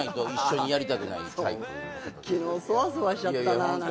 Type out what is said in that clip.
昨日そわそわしちゃったな何か。